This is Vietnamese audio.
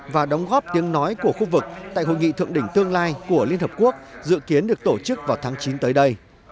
và đóng góp tiếng nói của khu vực tại hội nghị thượng đỉnh tương lai của liên hợp quốc dự kiến được tổ chức vào tháng chín tới đây